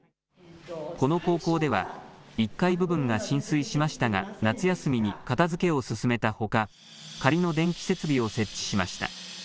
この高校では、１階部分が浸水しましたが、夏休みに片づけを進めたほか、仮の電気設備を設置しました。